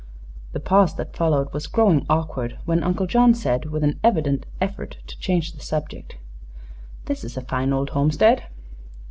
The pause that followed was growing awkward when Uncle John said, with an evident effort to change the subject: "This is a fine old homestead."